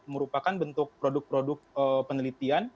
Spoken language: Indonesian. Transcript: merupakan bentuk produk produk penelitian